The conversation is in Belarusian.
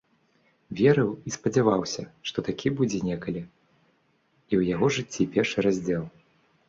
Верыў і спадзяваўся, што такі будзе некалі і ў яго жыцці першы раздзел.